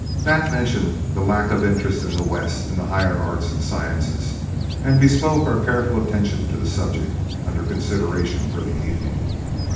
Bat mentioned the lack of interest in the West in the higher arts and sciences, and bespoke our careful attention to the subject under consideration for the evening.